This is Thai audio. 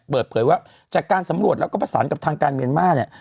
เปิดเผยว่าจากการสำรวจแล้วก็ประสานกับทางการเมียนมาร์เนี่ย